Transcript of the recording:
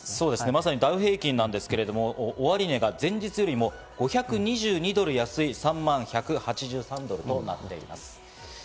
まさにダウ平均、終値が前日よりも５２２ドル安い、３万１８３ドルとなっています。